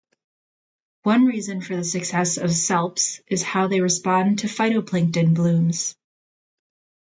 One reason for the success of salps is how they respond to phytoplankton blooms.